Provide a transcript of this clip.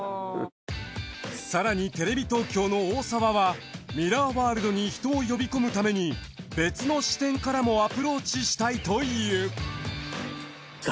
更にテレビ東京の大澤はミラーワールドに人を呼び込むために別の視点からもアプローチしたいという。